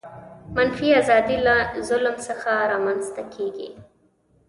منفي آزادي له ظلم څخه رامنځته کیږي.